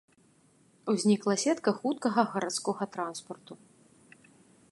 Узнікла сетка хуткага гарадскога транспарту.